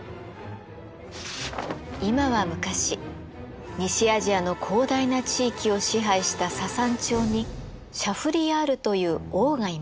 今は昔西アジアの広大な地域を支配したササン朝にシャフリヤールという王がいました。